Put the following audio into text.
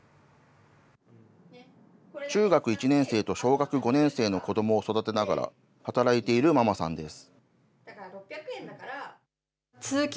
中学１年生と小学５年生の子どもを育てながら、働いているママさんです。